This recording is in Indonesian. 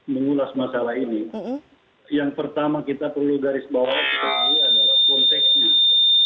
mengulas masalah ini yang pertama kita perlu garis bawah sekali adalah konteksnya